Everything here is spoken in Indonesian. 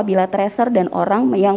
bila tracer dan orang yang